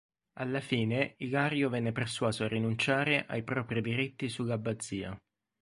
Alla fine Ilario venne persuaso a rinunciare ai propri diritti sull'abbazia.